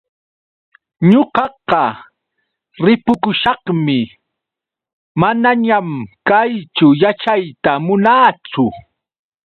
Ñuqaqa ripukushaqmi, manañan kayćhu yaćhayta munaachu.